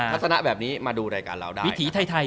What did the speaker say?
ถ้าแบบนี้มาดูรายการเราได้นะครับ